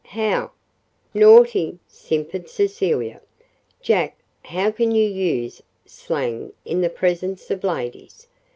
"How " "Naughty," simpered Cecilia. "Jack, how can you use slang in the presence of ladies?"